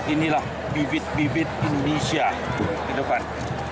inilah bibit bibit indonesia ke depan